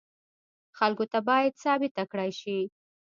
خلکو ته باید ثابته کړای شي.